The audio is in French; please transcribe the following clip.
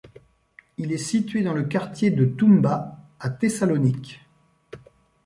Il est situé dans le quartier de Toumba, à Thessalonique.